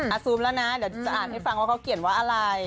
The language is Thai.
ซูมแล้วนะเดี๋ยวจะอ่านให้ฟังว่าเขาเขียนว่าอะไร